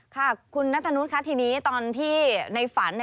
ค่ะคุณนัทธนุษย์ค่ะทีนี้ตอนที่ในฝัน